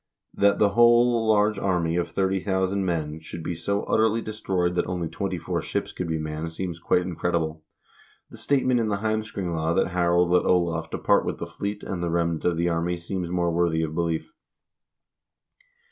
That the whole large army of 30,000 men should be so utterly destroyed that only twenty four ships could be manned seems quite incredible. The statement in the "Heims kringla" that Harold let Olav depart with the fleet and the remnant of the army seems more worthy of belief.